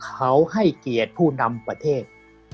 เขาให้เกียรติผู้นำประเทศ